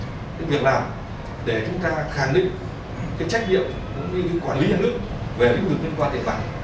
cái việc làm để chúng ta khẳng định cái trách nhiệm của những quản lý nhà nước về những việc liên quan điện bản